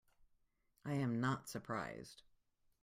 I am not surprised.